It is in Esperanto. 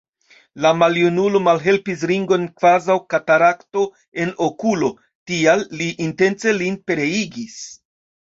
La maljunulo malhelpis Ringon kvazaŭ katarakto en okulo, tial li intence lin pereigis!